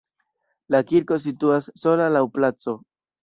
La kirko situas sola laŭ placo.